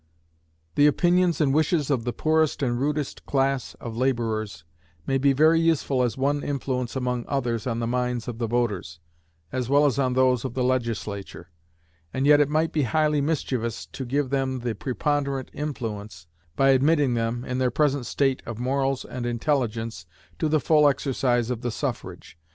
The opinions and wishes of the poorest and rudest class of laborers may be very useful as one influence among others on the minds of the voters, as well as on those of the Legislature, and yet it might be highly mischievous to give them the preponderant influence, by admitting them, in their present state of morals and intelligence, to the full exercise of the suffrage.